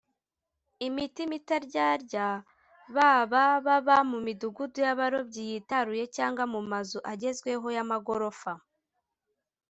Imitima itaryarya baba baba mu midugudu y abarobyi yitaruye cyangwa mu mazu agezweho y amagorofa